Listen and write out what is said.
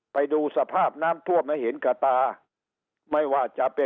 ไปดูสภาพน้ำท่วมให้เห็นกระตา